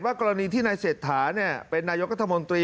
ว่ากรณีที่ในเศรษฐาเป็นนายกระทรมนตรี